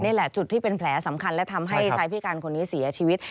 นี่แหละจุดที่เป็นแผลสำคัญและทำให้ชายพิการคนนี้เสียชีวิต